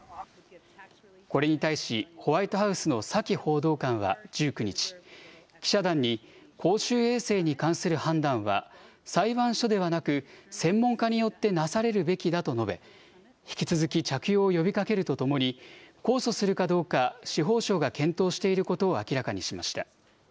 これに対しホワイトハウスのサキ報道官は１９日、記者団に公衆衛生に関する判断は裁判所ではなく専門家によってなされるべきだと述べ、引き続き着用を呼びかけるとともに控訴するかどうか司法省が検討していることを明らかにしました。